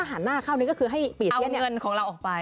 อันนี้ก็คือให้ปี่เซี๊ยเอาเงินของเราออกไป